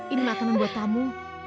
ini makanan buat tamu